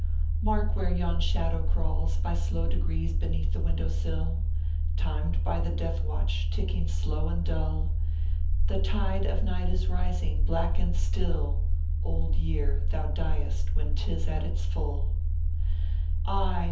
" Mark where yon shadow crawls By slow degrees beneath the window sill, Timed by the death watch, ticking slow and dull; The tide of night is rising, black and still Old Year, thou diest when tis at its full I " Ay